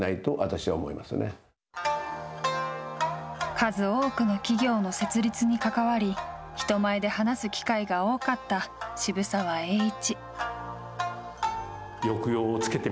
数多くの企業の設立に関わり人前で話す機会が多かった渋沢栄一。